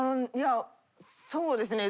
そうですね。